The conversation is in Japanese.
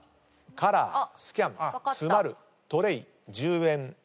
カラースキャン詰まるトレイ１０円両面と。